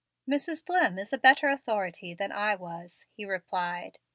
"Mrs. Dlimm is a better authority than I was," he replied.